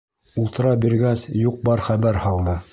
Ултыра биргәс, юҡ-бар хәбәр һалды.